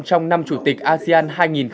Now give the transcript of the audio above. trong năm chủ tịch asean hai nghìn hai mươi